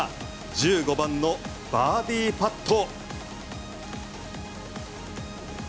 １５番のバーディーパット。